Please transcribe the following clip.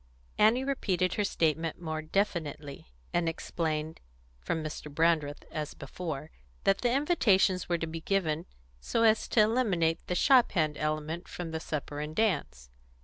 Annie repeated her statement more definitely, and explained, from Mr. Brandreth, as before, that the invitations were to be given so as to eliminate the shop hand element from the supper and dance.